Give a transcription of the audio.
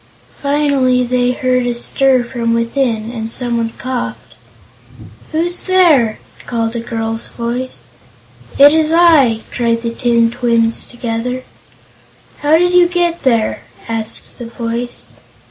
Finally they heard a stir from within and someone coughed. "Who's there?" called a girl's voice. "It's I!" cried the tin twins, together. "How did you get there?" asked the voice.